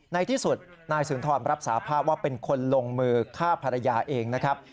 ในที่สุดนายสุนทรรับสาภาพว่าเป็นคนลงมือฆ่าภรรยาเองนะครับ